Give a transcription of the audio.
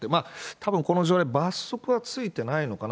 たぶん、この条例、罰則はついてないのかな。